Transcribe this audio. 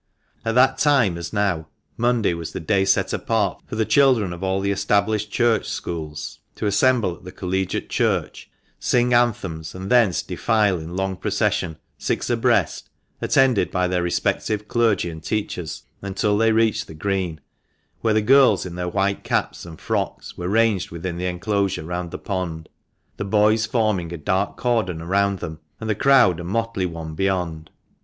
At that time, as now, Monday was the day set apart for the children of all the Established Church Schools to assemble at the Collegiate Church, sing anthems, and thence defile in long procession six abreast, attended by their respective clergy and teachers, until they reached the Green, where the girls, in their white caps and frocks, were ranged within the enclosure round the Pond, the boys forming a dark cordon around them, and the crowd a motley one beyond.